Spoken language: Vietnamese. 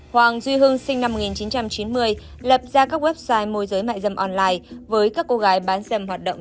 hoàng duy hưng sinh năm một nghìn chín trăm chín mươi lập ra các website môi giới mại dâm online với các cô gái bán dâm hoạt động